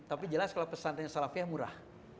tapi jelas kalau pesantren salafiyah murah